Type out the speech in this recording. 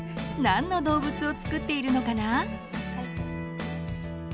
何の動物を作っているのかな？